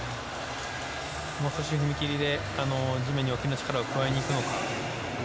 もう少し踏み切りで地面に大きな力を加えにいくのか。